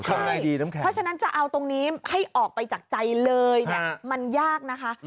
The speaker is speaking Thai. ใช่เพราะฉะนั้นจะเอาตรงนี้ให้ออกไปจากใจเลยเนี่ยมันยากนะคะ